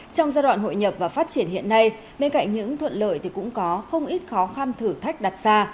trong giai đoạn hội nhập và phát triển hiện nay bên cạnh những thuận lợi thì cũng có không ít khó khăn thử thách đặt ra